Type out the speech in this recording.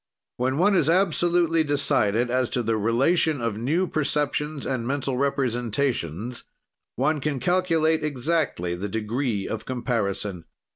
"When one is absolutely decided as to the relation of new perceptions and mental representations, one can calculate exactly the degree of comparison.